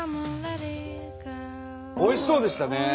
おいしそうでしたね